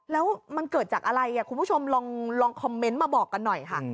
แล้วมันเกิดจากอะไรคุณผู้ชมลองคอมเมนต์มาบอกกันหน่อยค่ะ